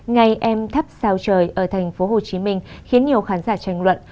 ngày em thắp sao trời ở tp hcm khiến nhiều khán giả tranh luận